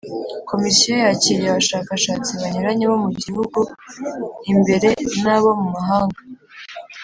Komisiyo yakiriye abashakashatsi banyuranye bo mu Gihugu imbere n’abo mu mahanga